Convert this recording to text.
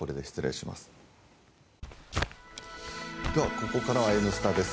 ここからは「Ｎスタ」です。